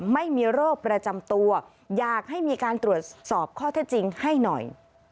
ไม่มีโรคประจำตัวอยากให้มีการตรวจสอบข้อเท็จจริงให้หน่อย